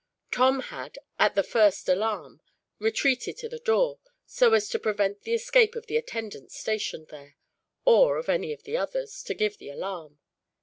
Tom had, at the first alarm, retreated to the door; so as to prevent the escape of the attendants stationed there, or of any of the others, to give the alarm.